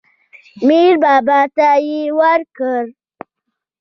میر بابا ته یې ورکړ.